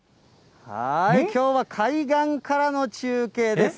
きょうは海岸からの中継です。